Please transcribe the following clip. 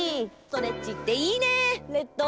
ストレッチっていいねレッド。